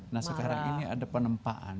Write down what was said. nah sekarang ini ada penempaan